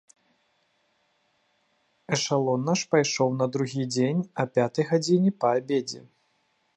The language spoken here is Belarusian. Эшалон наш пайшоў на другі дзень а пятай гадзіне па абедзе.